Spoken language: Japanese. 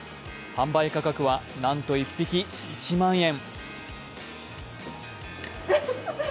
販売価格は、なんと１匹１万円。